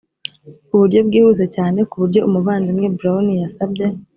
uburyo bwihuse cyane ku buryo umuvandimwe brown yasabye